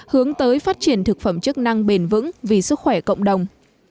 hướng tới phát triển thực phẩm chức năng bền vững vì sức khỏe cộng đồng